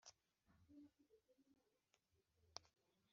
mu Karere ka Karongi igice cy umurenge wa gahanga